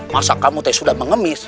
masa kamu sudah mengemis